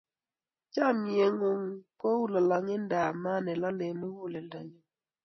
Chomye ng'ung' kou lalong'idap maat ne lolei eng' muguleldanyu.